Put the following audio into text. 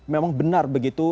memang benar begitu